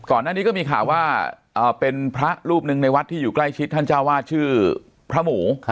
ก่อนหน้านี้ก็มีข่าวว่าเป็นพระรูปหนึ่งในวัดที่อยู่ใกล้ชิดท่านเจ้าวาดชื่อพระหมู